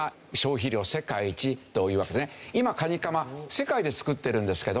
今カニカマ世界で作ってるんですけど。